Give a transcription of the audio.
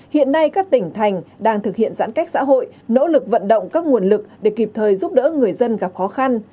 hiện nay các tỉnh thành đang thực hiện giãn cách xã hội nỗ lực vận động các nguồn lực để kịp thời giúp đỡ người dân gặp khó khăn